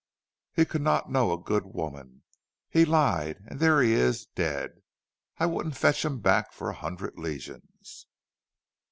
He could not know a good woman. He lied and there he is dead! I wouldn't fetch him back for a hundred Legions!"